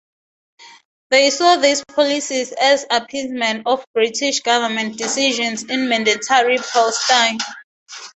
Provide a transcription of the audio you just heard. They saw these policies as appeasement of British Government decisions in Mandatory Palestine.